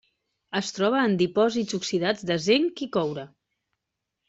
Es troba en dipòsits oxidats de zinc i coure.